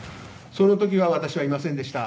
そのときは私はいませんでした。